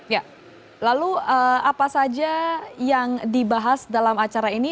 ya lalu apa saja yang dibahas dalam acara ini